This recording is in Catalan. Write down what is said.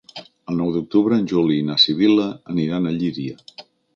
El nou d'octubre en Juli i na Sibil·la aniran a Llíria.